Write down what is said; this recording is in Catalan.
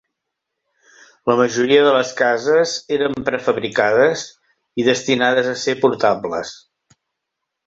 La majoria de les cases eren prefabricades i destinades a ser portables.